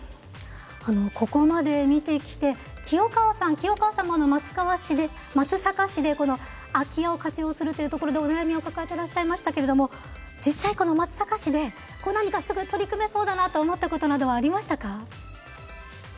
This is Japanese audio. ここまで見てきて清川さんも松阪市でこの空き家を活用するというところでお悩みを抱えていらっしゃいましたが実際、松阪市で何か取り組めそうだなと思ったことは？